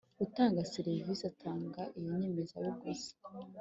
utanga serivisi atanga Iyo nyemezabuguzi